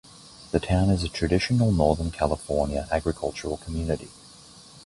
The town is a traditional Northern California agricultural community.